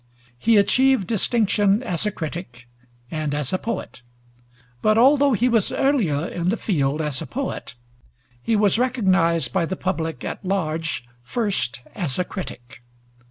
He achieved distinction as a critic and as a poet; but although he was earlier in the field as a poet, he was recognized by the public at large first as a critic.